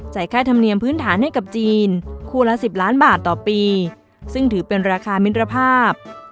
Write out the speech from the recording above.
ค่าธรรมเนียมพื้นฐานให้กับจีนคู่ละ๑๐ล้านบาทต่อปีซึ่งถือเป็นราคามิตรภาพ